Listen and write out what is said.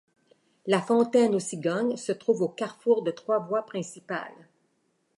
La fontaine aux Cigognes se trouve au carrefour de trois voies principales.